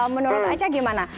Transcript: menurut aca gimana